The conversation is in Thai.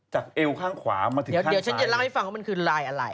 เอวข้างขวามาถึงเดี๋ยวฉันจะเล่าให้ฟังว่ามันคือลายอะไร